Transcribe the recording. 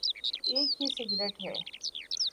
ایک ہی سکرپٹ ہے۔